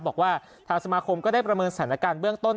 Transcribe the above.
บอกว่าทางสมาคมก็ได้ประเมินสถานการณ์เบื้องต้น